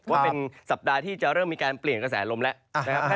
ว่าเป็นสัปดาห์ที่จะเริ่มมีการเปลี่ยนกระแสลมแล้วนะครับ